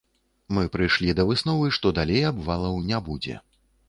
Мы прыйшлі да высновы, што далей абвалаў не будзе.